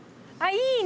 いいね。